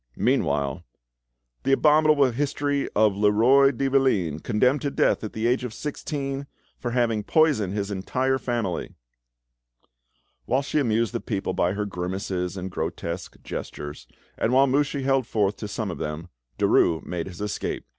Meanwhile—— "The abominable history of Leroi de Valine, condemned to death at the age of sixteen for having poisoned his entire family!" Whilst she amused the people by her grimaces and grotesque gestures, and while Mouchy held forth to some of them, Derues made his escape.